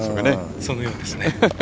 そのようです。